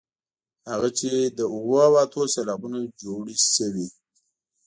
هغه چې له اوو او اتو سېلابونو جوړې شوې.